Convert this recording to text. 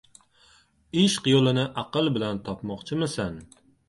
• Ishq yo‘lini aql bilan topmoqchimisan?